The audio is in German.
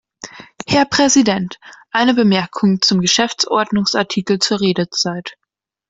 Herr Präsident, eine Bemerkung zum Geschäftsordnungsartikel zur Redezeit.